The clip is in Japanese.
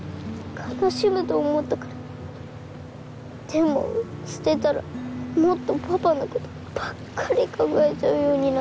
でも捨てたらもっとパパのことばっかり考えちゃうようになって。